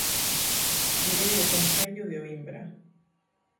Irei ao Concello de Oímbra